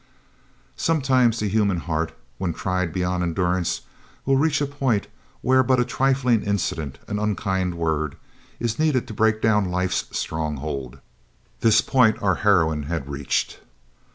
Sometimes the human heart, when tried beyond endurance, will reach a point where but a trifling incident, an unkind word, is needed to break down life's stronghold. This point our heroine had reached.